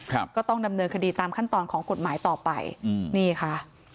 ก็ต้องดำเนินคดีตามขั้นตอนของกฎหมายต่อไปอืมนี่ค่ะ